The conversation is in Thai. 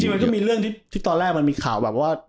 จริงจะมีเรื่องที่ตอนแรกมีข่าวว่า